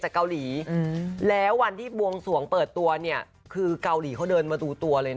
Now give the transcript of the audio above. แจ๊กริงแจ๊กริงก็อึ้งคือที่ผ่านมามีหมอดูทักเหมือนกัน